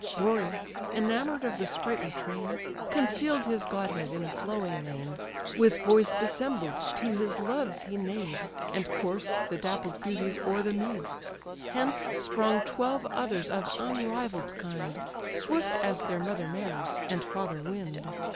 Boreas, enamour'd of the sprightly train, Conceal'd his godhead in a flowing mane, With voice dissembled to his loves he neigh'd, And coursed the dappled beauties o'er the mead: Hence sprung twelve others of unrivall'd kind, Swift as their mother mares, and father wind.